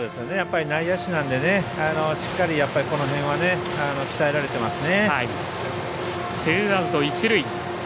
内野手なのでしっかり、この辺は鍛えられてますね。